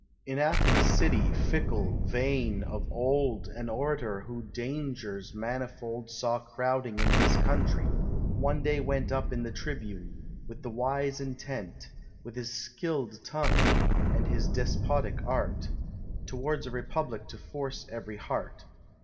In Athens' city, fickle, vain, of old, An Orator, who dangers manifold Saw crowding on his country, one day went Up in the tribune, with the wise intent, With his skill'd tongue, and his despotic art, Towards a republic to force every heart.